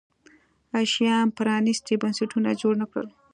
شیام پرانیستي بنسټونه جوړ نه کړل.